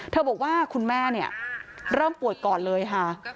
เธอบอกว่าคุณแม่เริ่มปวดก่อนเลยค่ะ